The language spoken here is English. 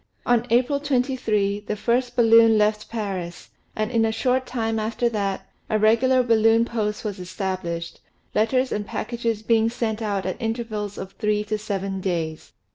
On April 23, the first balloon left Paris, and in a short time after that, a regular balloon post was established, letters and packages being sent out at intervals of three to seven days.